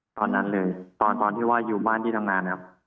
ตอนนั้นเลยตอนที่ว่าอยู่บ้านที่ทำงานนะครับ